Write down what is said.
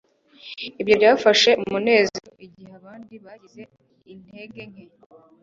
ibyo byafashe umunezero igihe abandi bagize intege nke